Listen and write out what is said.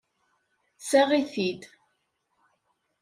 Seɣ-it-id!